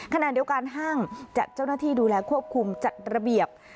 ขณะเดียวกันห้างจัดเจ้าหน้าที่ดูแลควบคุมจัดระเบียบ